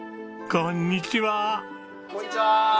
こんにちは。